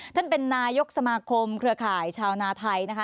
ท่านเป็นนายกสมาคมเครือข่ายชาวนาไทยนะคะ